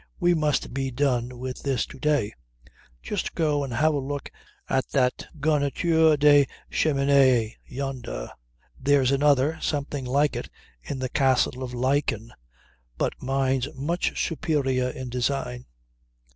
We must be done with this to day. Just go and have a look at that garniture de cheminee yonder. There's another, something like it, in the castle of Laeken, but mine's much superior in design."